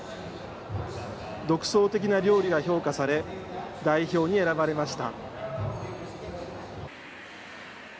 独創的な料理が評価され、代表に選ばれました。